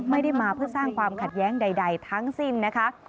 ไม่ได้มาเพื่อสร้างความขัดแย้งใดทั้งสิ้นนะคะ